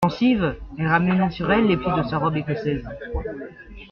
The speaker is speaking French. Pensive, elle ramenait sur elle les plis de la robe écossaise.